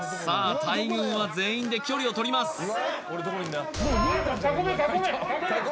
さあ大群は全員で距離をとります